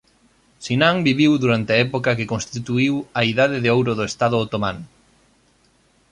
Sinan viviu durante a época que constituíu a idade de ouro do Estado otomán.